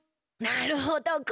なるほど！